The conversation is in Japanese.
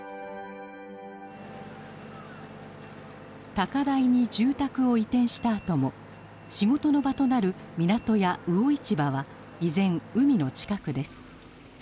高台に住宅を移転したあとも仕事の場となる港や魚市場は依然海の近くです。